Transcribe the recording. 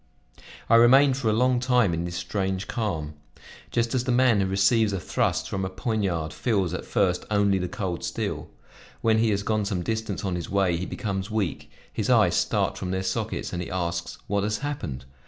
I remained for a long time in this strange calm. Just as the man who receives a thrust from a poignard feels, at first only the cold steel; when he has gone some distance on his way he becomes weak, his eyes start from their sockets and he asks what has happened.